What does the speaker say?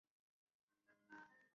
না, তবে পূজার হয়তো ভয় লাগছে।